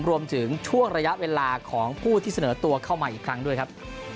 รวมถึงช่วงระยะเวลาของผู้ที่เสนอตัวเข้ามาอีกครั้งด้วยครับ